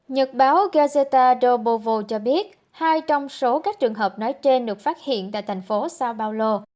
nhật báo gazeta do bovo cho biết hai trong số các trường hợp nói trên được phát hiện tại thành phố sao paulo